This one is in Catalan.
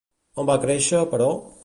On va créixer, però?